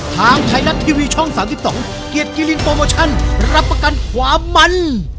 ทางไทยรัฐทีวีช่อง๓๒เกียรติกิลินโปรโมชั่นรับประกันความมัน